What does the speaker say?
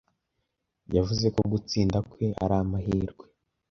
Yavuze ko gutsinda kwe ari amahirwe.